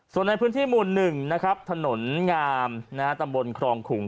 ส่วนในพื้นที่หมู่๑นะครับถนนงามตำบลครองขุง